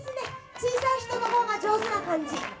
小さい人のほうが上手な感じ。